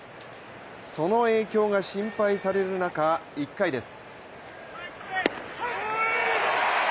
その影響が心配される中、１回です。